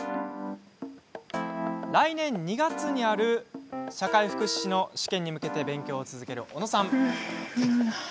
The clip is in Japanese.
来年２月にある社会福祉士の試験に向けて勉強を続ける小野さん。